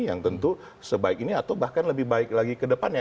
yang tentu sebaik ini atau bahkan lebih baik lagi ke depannya